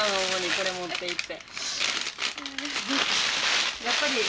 これ持っていって。